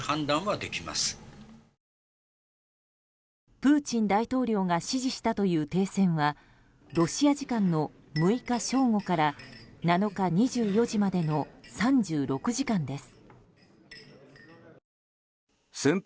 プーチン大統領が指示したという停戦はロシア時間の６日正午から７日２４時までの３６時間です。